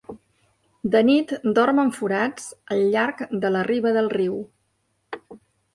De nit dorm en forats al llarg de la riba del riu.